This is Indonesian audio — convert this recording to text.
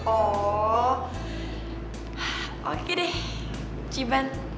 oh oke deh ciban